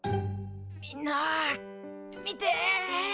みんな見て。